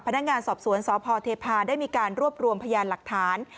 พนักงานสอบสวนสพเทพาได้มีการรวบรวมพยานหลักฐาน